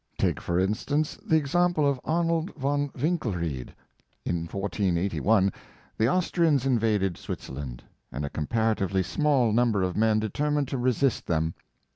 Take for instance, the example of Arnold von Winkelried. In 1481 the Austrians in vaded Switzerland, and a comparatively small number of men determined to resist them.